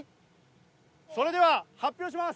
それでは発表します。